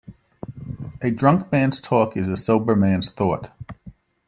A drunk man's talk is a sober man's thought.